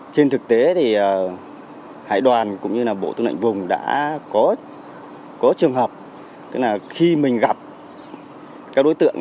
trên thực tế hải đoàn cũng như bộ tương đoạn vùng đã có trường hợp khi mình gặp các đối tượng